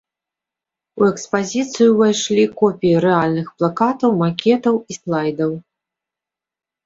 У экспазіцыю ўвайшлі копіі рэальных плакатаў, макетаў і слайдаў.